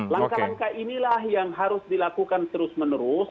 langkah langkah inilah yang harus dilakukan terus menerus